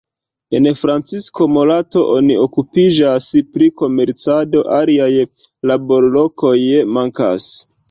En Francisco Morato oni okupiĝas pri komercado, aliaj laborlokoj mankas.